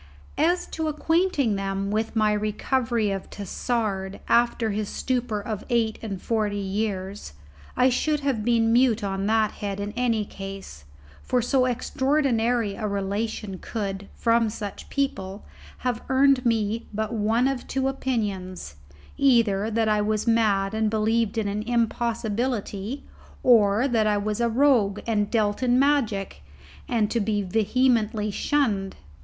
As to acquainting them with my recovery of Tassard, after his stupor of eight and forty years, I should have been mute on that head in any case, for so extraordinary a relation could, from such people, have earned me but one of two opinions: either that I was mad and believed in an impossibility, or that I was a rogue and dealt in magic, and to be vehemently shunned.